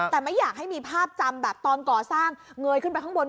แต่ไม่อยากให้มีภาพจำแบบตอนก่อสร้างเงยขึ้นไปข้างบน